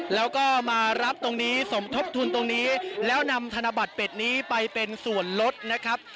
แล้วก็มารับตรงนี้สมทบทุนตรงนี้แล้วนำธนบัตรเป็ดนี้ไปเป็นส่วนลดนะครับ